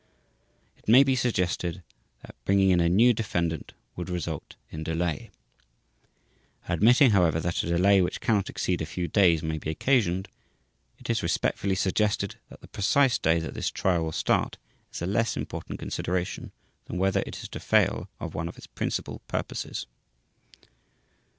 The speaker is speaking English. It may be suggested that bringing in a new defendant would result in delay. Admitting, however, that a delay which cannot exceed a few days may be occasioned, it is respectfully suggested that the precise day that this Trial will start is a less important consideration than whether it is to fail of one of its principal purposes.